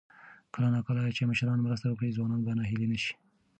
کله نا کله چې مشران مرسته وکړي، ځوانان به ناهیلي نه شي.